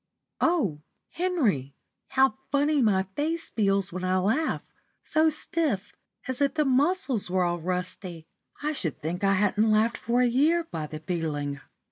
O Henry, how funny my face feels when I laugh, so stiff, as if the muscles were all rusty! I should think I hadn't laughed for a year by the feeling."